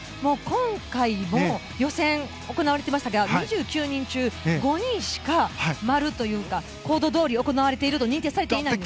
今回も予選が行われていましたが２９人中、５人しか丸というか行動どおり行われていると認定されてないんです。